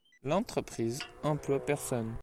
L’entreprise emploie personnes.